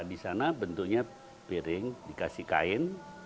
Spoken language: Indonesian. di sana bentuknya piring dikasih kain